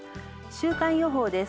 週間予報です。